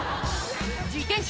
自転車